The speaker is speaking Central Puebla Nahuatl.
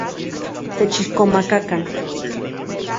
Techixkomakakan.